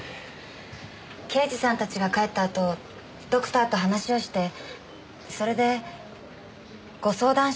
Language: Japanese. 刑事さんたちが帰ったあとドクターと話をしてそれでご相談してみてもいいんじゃないかと。